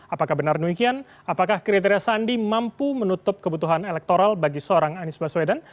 apakah benar demikian apakah kriteria sandi mampu menutup kebutuhan elektoral bagi seorang anies baswedan